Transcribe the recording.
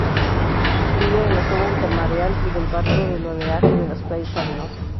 Vive en la zona intermareal y del barrido del oleaje de las playas arenosas.